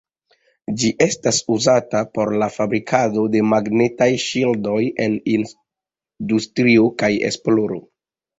Ĝi estas uzata por la fabrikado de magnetaj ŝildoj en industrio kaj esploro.